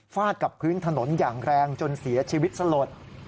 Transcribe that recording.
กับพื้นถนนอย่างแรงจนเสียชีวิตสลด